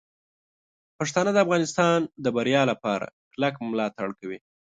پښتانه د افغانستان د بریا لپاره کلک ملاتړ کوي.